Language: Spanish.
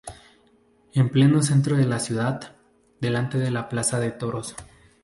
En pleno centro de la ciudad, delante de la plaza de toros.